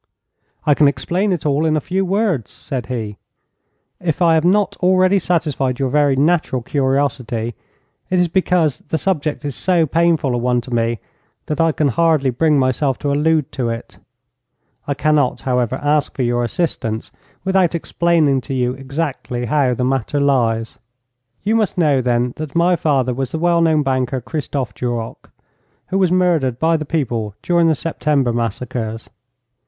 'I can explain it all in a few words,' said he. 'If I have not already satisfied your very natural curiosity, it is because the subject is so painful a one to me that I can hardly bring myself to allude to it. I cannot, however, ask for your assistance without explaining to you exactly how the matter lies. 'You must know, then, that my father was the well known banker, Christophe Duroc, who was murdered by the people during the September massacres.